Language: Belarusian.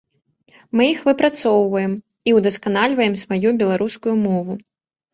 Мы іх выпрацоўваем і ўдасканальваем сваю беларускую мову.